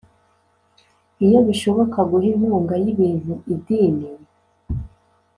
Iyo bishoboka guha inkunga y ibintu Idini